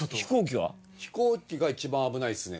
飛行機が一番危ないっすね。